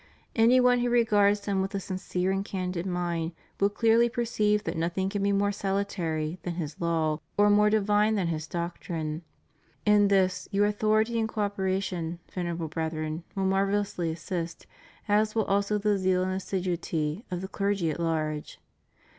Any one who regards Him with a sincere and candid mind, will clearly perceive that nothing can be more salutary than His law, or more divine than His doctrine. In this, your authority and co operation. Venerable Brethren, will marvellously assist, as will also the zeal and assiduity of the clergy at large.